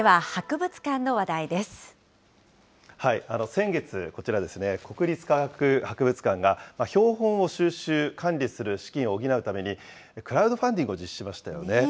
先月、こちらですね、国立科学博物館が標本を収集・管理する資金を補うために、クラウドファンディングを実施しましたよね。